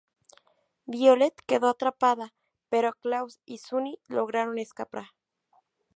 Violet quedó atrapada pero Klaus y Sunny lograron escapar.